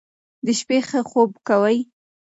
د شپې ښه خوب کوئ.